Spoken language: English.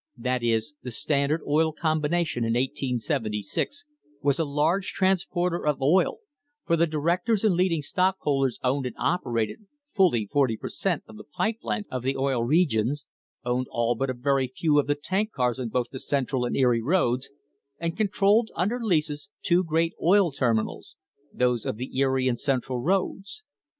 That is, the Standard Oil Combination in 1876 was a large transporter of oil, for the directors and leading stockholders owned and operated fully forty per cent, of the pipe lines of the Oil Regions, owned all but a very few of the tank cars on both the Central and Erie roads, and controlled under leases two great oil terminals, those of the Erie and Central roads.